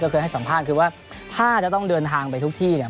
เคยให้สัมภาษณ์คือว่าถ้าจะต้องเดินทางไปทุกที่เนี่ย